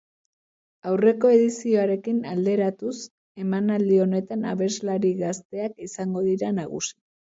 Aurreko edizioarekin alderatuz, emanaldi honetan abeslari gazteak izango dira nagusi.